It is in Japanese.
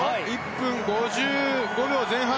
１分５５秒前半。